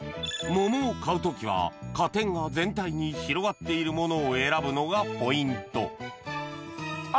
桃を買う時は果点が全体に広がっているものを選ぶのがポイント